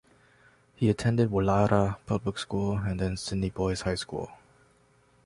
He attended Woollahra Public School, and then Sydney Boys High School.